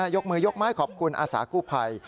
ยกมือยกไม้ขอบคุณอาสากู้ภัย